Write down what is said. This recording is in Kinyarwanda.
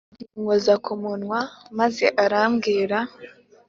arinkoza ku munwa, maze arambwira